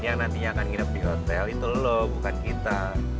yang nantinya akan nginep di hotel itu loh bukan kita